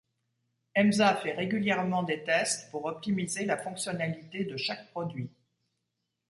Emsa fait régulièrement de tests pour optimiser la fonctionnalité de chaque produit.